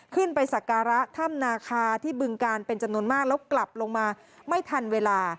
ไปสักการะถ้ำนาคาที่บึงกาลเป็นจำนวนมากแล้วกลับลงมาไม่ทันเวลา